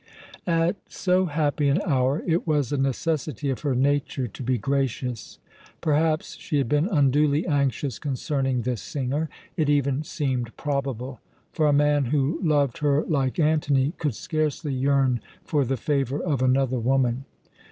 At so happy an hour it was a necessity of her nature to be gracious. Perhaps she had been unduly anxious concerning this singer. It even seemed probable; for a man who loved her like Antony could scarcely yearn for the favour of another woman.